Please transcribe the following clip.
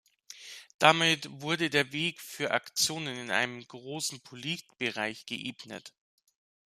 Damit wurde der Weg für Aktionen in einem großen Politikbereich geebnet.